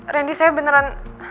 rendy saya beneran